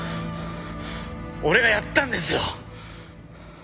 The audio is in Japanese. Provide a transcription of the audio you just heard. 俺がやったんですよ！